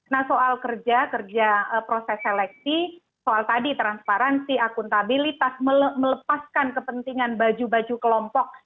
nah soal kerja kerja proses seleksi soal tadi transparansi akuntabilitas melepaskan kepentingan baju baju kelompok